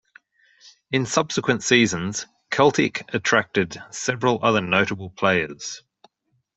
In subsequent seasons Celtic attracted several other notable players.